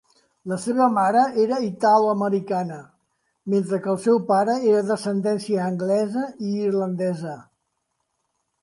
La seva mare era ítaloamericana, mentre que el seu pare era d'ascendència anglesa i irlandesa.